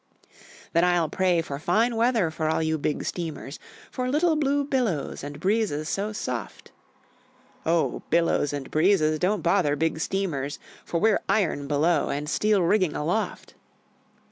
"Then I'll pray for fine weather for all you Big Steamers, For little blue billows and breezes so soft." "Oh, billows and breezes don't bother Big Steamers, For we're iron below and steel rigging aloft."